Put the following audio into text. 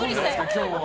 今日は。